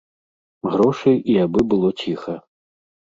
Грошы і абы было ціха.